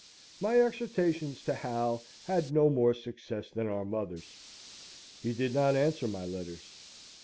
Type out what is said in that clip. My exhortations to Hal had no more success than our mother's. He did not answer my letters.